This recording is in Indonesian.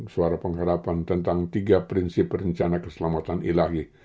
suara pengharapan tentang tiga prinsip rencana keselamatan ilahi